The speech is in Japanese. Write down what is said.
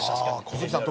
小杉さん